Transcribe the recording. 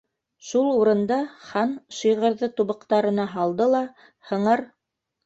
Шул урында Хан шиғырҙы тубыҡтарына һалды ла, һыңар